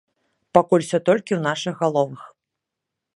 Пакуль усё толькі ў нашых галовах.